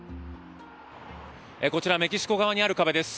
こちらメキシコ側にある壁です。